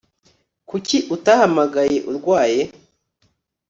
Kuki utahamagaye urwaye